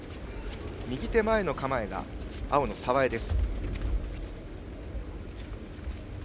右手前の構えが、青の澤江です。